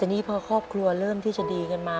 แต่นี่พอครอบครัวเริ่มที่จะดีกันมา